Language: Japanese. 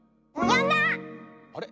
あれ？